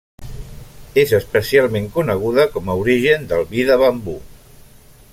És especialment coneguda com a origen del vi de bambú.